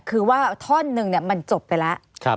คือว่าท่อนหนึ่งมันจบไปแล้ว